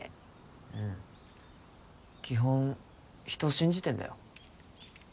うん基本人信じてんだよ